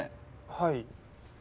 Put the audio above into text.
はい。